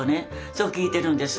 そう聞いてるんです。